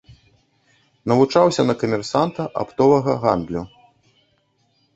Навучаўся на камерсанта аптовага гандлю.